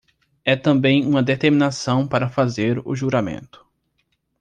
É também uma determinação para fazer o juramento